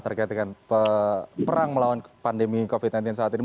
terkait dengan perang melawan pandemi covid sembilan belas saat ini